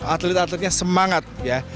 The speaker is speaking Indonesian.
atlet atletnya semangat ya